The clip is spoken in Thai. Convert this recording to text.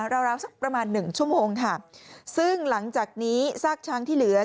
ราวประมาณ๑ชั่วโมงซึ่งหลังจากนี้ซากช้างที่เหลือ